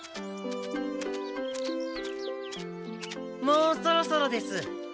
もうそろそろです。